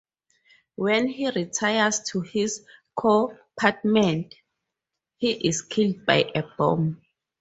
When he retires to his compartment, he is killed by a bomb.